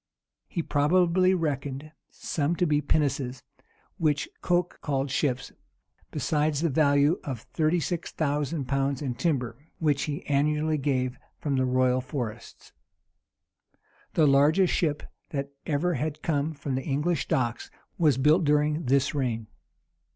He probably reckoned some to be pinnaces, which Coke called ships, besides the value of thirty six thousand pounds in timber, which he annually gave from the royal forests.[*] The largest ship that ever had come from the English docks was built during this reign.